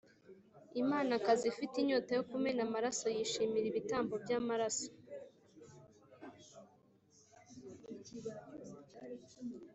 imanakazi ifite inyota yo kumena amaraso yishimira ibitambo by’amaraso.